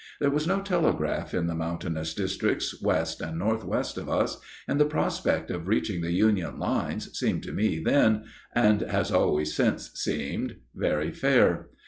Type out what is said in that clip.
There was no telegraph in the mountainous districts west and northwest of us, and the prospect of reaching the Union lines seemed to me then, and has always since seemed, very fair.